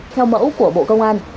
theo mẫu của bộ công an